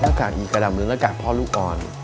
นักกากอีกกระด่ำหรือนักกากพ่อลูกอ่อน